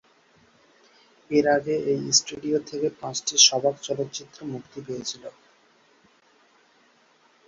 এর আগে এই স্টুডিও থেকে পাঁচটি সবাক চলচ্চিত্র মুক্তি পেয়েছিল।